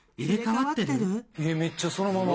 えっめっちゃそのまま！